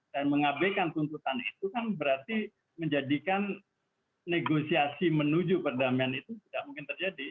dan mengabekan tuntutan itu kan berarti menjadikan negosiasi menuju perdamaian itu tidak mungkin terjadi